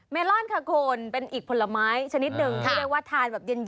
ลอนค่ะคุณเป็นอีกผลไม้ชนิดหนึ่งที่เรียกว่าทานแบบเย็น